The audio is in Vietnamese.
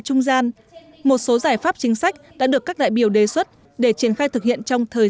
trung gian một số giải pháp chính sách đã được các đại biểu đề xuất để triển khai thực hiện trong thời